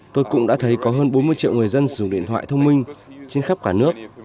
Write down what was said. tôi cũng đã thấy có hơn bốn mươi triệu người dân sử dụng điện thoại thông minh trên khắp cả nước